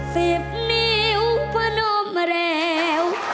สิบนิ้วพนมมาแล้ว